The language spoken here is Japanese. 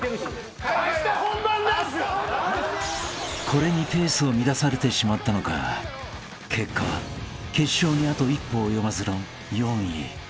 ［これにペースを乱されてしまったのか結果は決勝にあと一歩及ばずの４位］